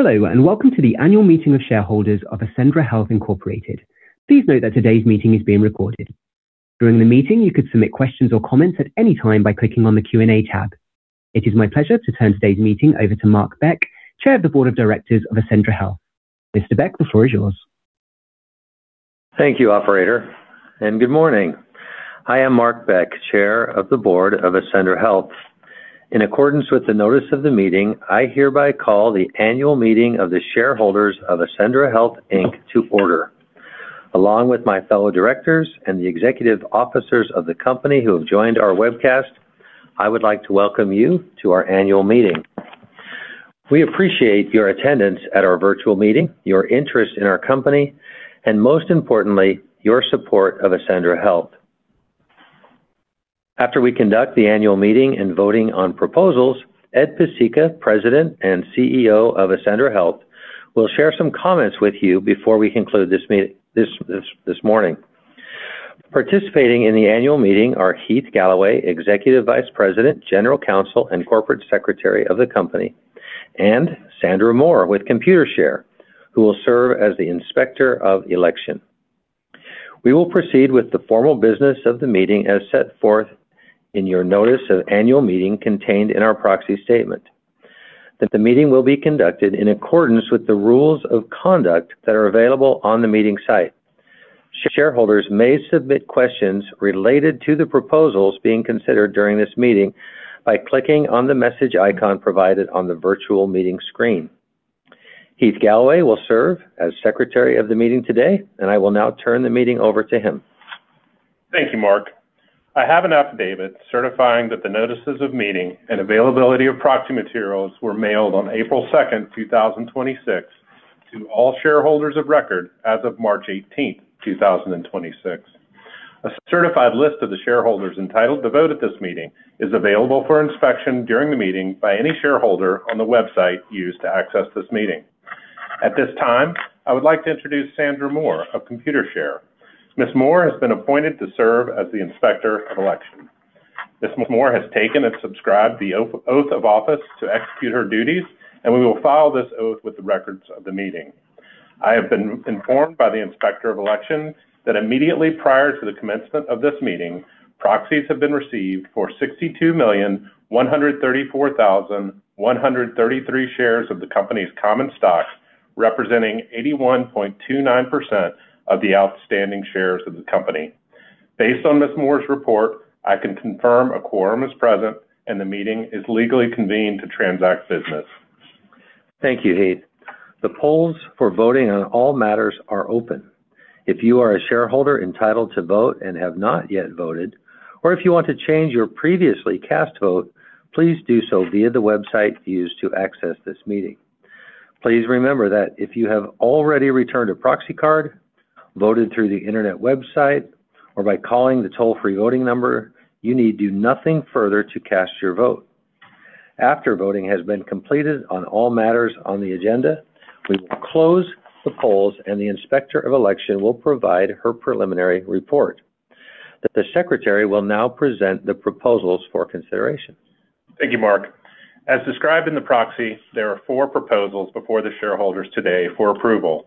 Hello, and welcome to the Annual Meeting of Shareholders of Accendra Health Incorporated. Please note that today's meeting is being recorded. During the meeting, you could submit questions or comments at any time by clicking on the Q&A tab. It is my pleasure to turn today's meeting over to Mark Beck, Chair of the Board of Directors of Accendra Health. Mr. Beck, the floor is yours. Thank you, operator, and good morning. I am Mark Beck, Chair of the Board of Accendra Health. In accordance with the notice of the meeting, I hereby call the annual meeting of the shareholders of Accendra Health, Inc to order. Along with my fellow Directors and the Executive Officers of the company who have joined our webcast, I would like to welcome you to our Annual Meeting. We appreciate your attendance at our virtual meeting, your interest in our company, and most importantly, your support of Accendra Health. After we conduct the annual meeting and voting on proposals, Ed Pesicka, President and CEO of Accendra Health, will share some comments with you before we conclude this morning. Participating in the annual meeting are Heath Galloway, Executive Vice President, General Counsel, and Corporate Secretary of the company, and Sandra Moore with Computershare, who will serve as the Inspector of Election. We will proceed with the formal business of the meeting as set forth in your Notice of Annual Meeting contained in our Proxy Statement. The meeting will be conducted in accordance with the Rules of Conduct that are available on the meeting site. Shareholders may submit questions related to the proposals being considered during this meeting by clicking on the message icon provided on the virtual meeting screen. Heath Galloway will serve as secretary of the meeting today, and I will now turn the meeting over to him. Thank you, Mark. I have an affidavit certifying that the notices of meeting and availability of proxy materials were mailed on April 2, 2026 to all shareholders of record as of March 18, 2026. A certified list of the shareholders entitled to vote at this meeting is available for inspection during the meeting by any shareholder on the website used to access this meeting. At this time, I would like to introduce Sandra Moore of Computershare. Ms. Moore has been appointed to serve as the Inspector of Election. Ms. Moore has taken and subscribed the oath of office to execute her duties, and we will file this oath with the records of the meeting. I have been informed by the inspector of elections that immediately prior to the commencement of this meeting, proxies have been received for 62,134,133 shares of the company's common stock, representing 81.29% of the outstanding shares of the company. Based on Ms. Moore's report, I can confirm a quorum is present, and the meeting is legally convened to transact business. Thank you, Heath. The polls for voting on all matters are open. If you are a shareholder entitled to vote and have not yet voted, or if you want to change your previously cast vote, please do so via the website used to access this meeting. Please remember that if you have already returned a proxy card, voted through the internet website, or by calling the toll-free voting number, you need do nothing further to cast your vote. After voting has been completed on all matters on the agenda, we will close the polls, and the Inspector of Election will provide her preliminary report. The Secretary will now present the proposals for consideration. Thank you, Mark. As described in the proxy, there are four proposals before the shareholders today for approval.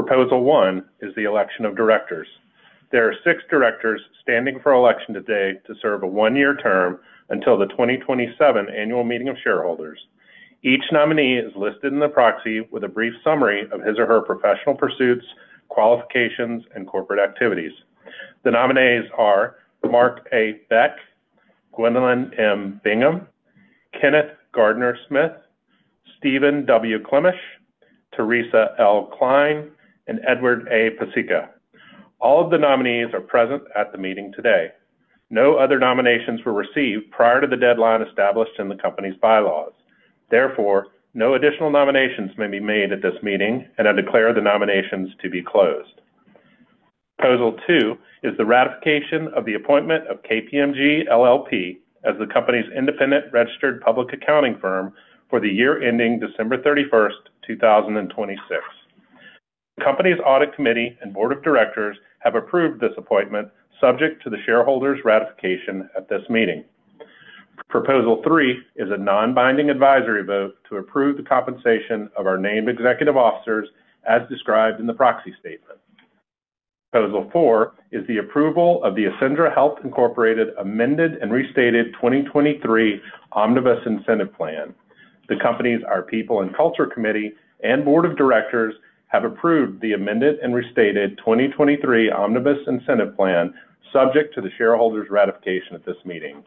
Proposal one is the Election of Directors. There are six Directors standing for election today to serve a one-year term until the 2027 Annual Meeting of Shareholders. Each nominee is listed in the proxy with a brief summary of his or her professional pursuits, qualifications, and corporate activities. The nominees are Mark A. Beck, Gwendolyn M. Bingham, Kenneth Gardner-Smith, Stephen W. Klemash, Teresa L. Kline, and Edward A. Pesicka. All of the nominees are present at the meeting today. No other nominations were received prior to the deadline established in the company's bylaws. Therefore, no additional nominations may be made at this meeting, and I declare the nominations to be closed. Proposal two is the ratification of the appointment of KPMG LLP as the company's independent registered public accounting firm for the year ending December 31, 2026. The company's audit committee and Board of Directors have approved this appointment subject to the shareholders' ratification at this meeting. Proposal three is a non-binding advisory vote to approve the compensation of our named Executive Officers as described in the proxy statement. Proposal four is the approval of the Accendra Health Incorporated Amended and Restated 2023 Omnibus Incentive Plan. The company's people and culture committee and Board of Directors have approved the Amended and Restated 2023 Omnibus Incentive Plan, subject to the shareholders' ratification at this meeting.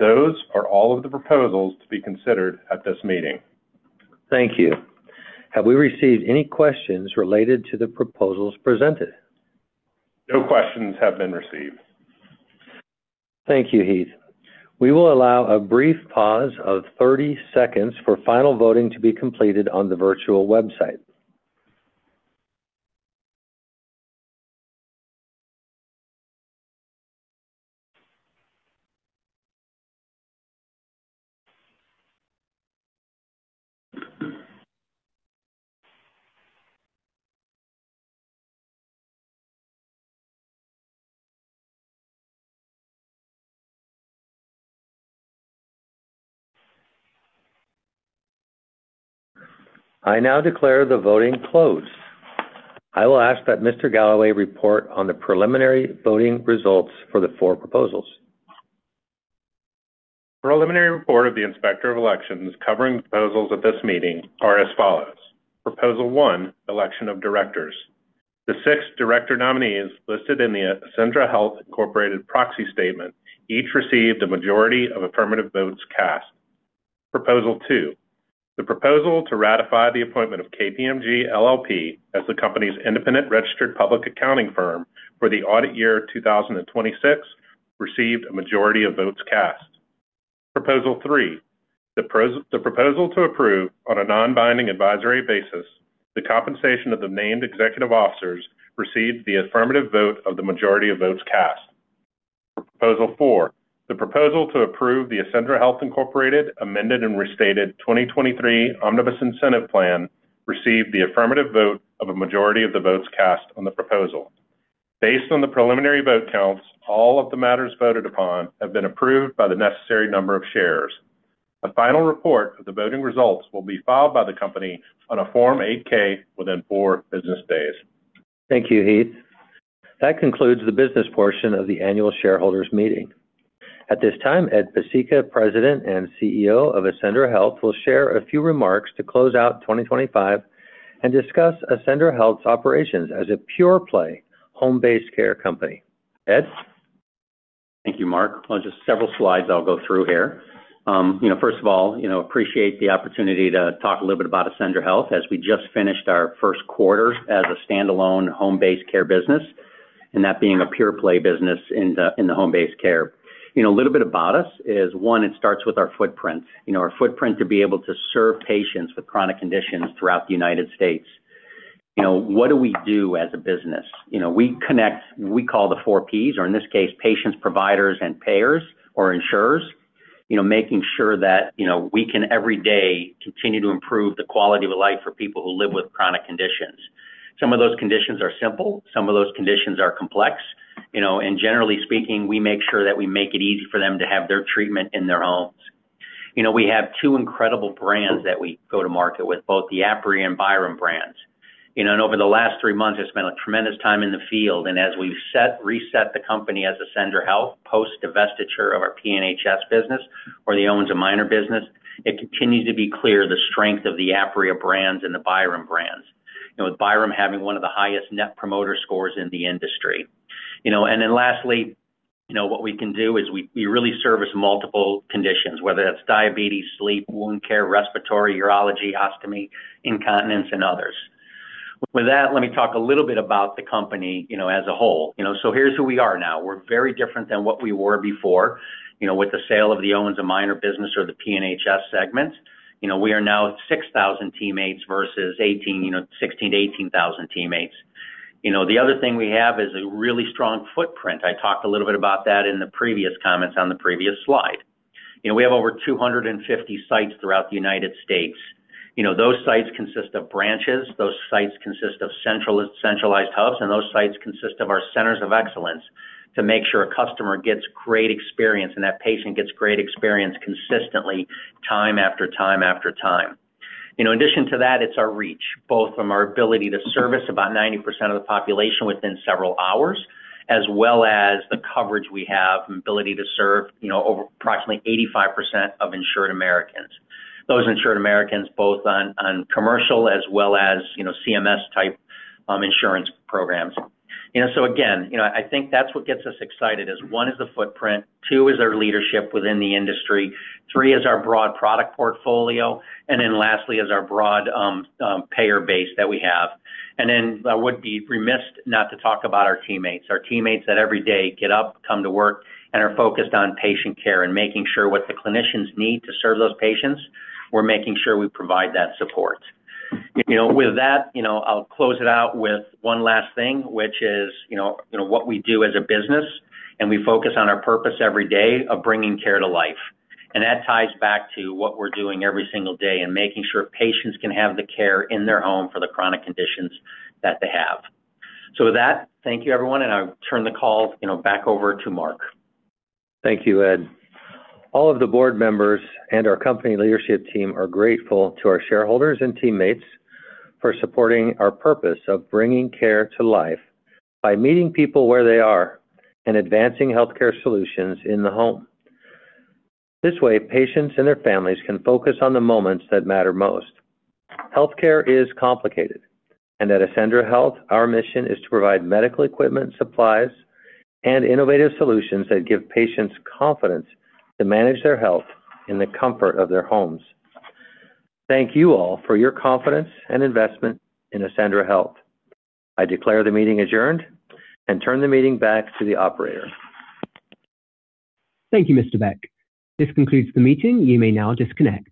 Those are all of the proposals to be considered at this meeting. Thank you. Have we received any questions related to the proposals presented? No questions have been received. Thank you, Heath. We will allow a brief pause of 30 seconds for final voting to be completed on the virtual website. I now declare the voting closed. I will ask that Mr. Galloway report on the preliminary voting results for the four proposals. Preliminary report of the Inspector of Elections covering proposals at this meeting are as follows. Proposal one, Election of Directors. The six director nominees listed in the Accendra Health Incorporated proxy statement each received a majority of affirmative votes cast. Proposal two, the proposal to ratify the appointment of KPMG LLP as the company's independent registered public accounting firm for the audit year 2026 received a majority of votes cast. Proposal three, the proposal to approve on a non-binding advisory basis the compensation of the named Executive Officers received the affirmative vote of the majority of votes cast. Proposal four, the proposal to approve the Accendra Health Incorporated Amended and Restated 2023 Omnibus Incentive Plan received the affirmative vote of a majority of the votes cast on the proposal. Based on the preliminary vote counts, all of the matters voted upon have been approved by the necessary number of shares. A final report of the voting results will be filed by the company on a Form 8-K within four business days. Thank you, Heath. That concludes the business portion of the annual shareholders meeting. At this time, Ed Pesicka, President and Chief Executive Officer of Accendra Health, will share a few remarks to close out 2025 and discuss Accendra Health's operations as a pure play home-based care company. Ed? Thank you, Mark. On just several slides I'll go through here. First of all, appreciate the opportunity to talk a little bit about Accendra Health as we just finished our first quarter as a standalone home-based care business and that being a pure play business in the, in the home-based care. A little about us is, one, it starts with our footprint. Our footprint to be able to serve patients with chronic conditions throughout the United States. What do we do as a business? We connect, we call the 4Ps, or in this case, patients, providers, and payers or insurers. Making sure that we can every day continue to improve the quality of life for people who live with chronic conditions. Some of those conditions are simple, some of those conditions are complex generally speaking, we make sure that we make it easy for them to have their treatment in their homes. We have two incredible brands that we go to market with, both the Apria and Byram brands. Over the last three months, I've spent a tremendous time in the field. As we've set, reset the company as Accendra Health post divestiture of our P&HS business or the Owens & Minor business, it continues to be clear the strength of the Apria brands and the Byram brands. With Byram having one of the highest Net Promoter Scores in the industry. Lastly, what we can do is we really service multiple conditions, whether that's diabetes, sleep, wound care, respiratory, urology, ostomy, incontinence, and others. With that, let me talk a little bit about the company as a whole. Here's who we are now. We're very different than what we were before with the sale of the Owens & Minor business or the P&HS segments. We are now 6,000 teammates versus 18,000, 16,000-18,000 teammates. The other thing we have is a really strong footprint. I talked a little bit about that in the previous comments on the previous slide. We have over 250 sites throughout the U.S. Those sites consist of branches, those sites consist of centralized hubs, and those sites consist of our centers of excellence to make sure a customer gets great experience and that patient gets great experience consistently time after time after time. In addition to that, it's our reach, both from our ability to service about 90% of the population within several hours, as well as the coverage we have and ability to serve over approximately 85% of insured Americans. Those insured Americans both on commercial as well as CMS type insurance programs. That's what gets us excited is, one, is the footprint. Two is our leadership within the industry. Three is our broad product portfolio. Lastly is our broad payer base that we have. Then I would be remiss not to talk about our teammates. Our teammates that every day get up, come to work, and are focused on patient care and making sure what the clinicians need to serve those patients, we're making sure we provide that support. With that, I'll close it out with one last thing, which is what we do as a business, and we focus on our purpose every day of bringing care to life. That ties back to what we're doing every single day and making sure patients can have the care in their home for the chronic conditions that they have. With that, thank you everyone, and I'll turn the call back over to Mark. Thank you, Ed. All of the Board Members and our company leadership team are grateful to our shareholders and teammates for supporting our purpose of bringing care to life by meeting people where they are and advancing healthcare solutions in the home. This way, patients and their families can focus on the moments that matter most. Healthcare is complicated. At Accendra Health, our mission is to provide medical equipment, supplies, and innovative solutions that give patients confidence to manage their health in the comfort of their homes. Thank you all for your confidence and investment in Accendra Health. I declare the meeting adjourned and turn the meeting back to the operator. Thank you, Mr. Beck. This concludes the meeting. You may now disconnect.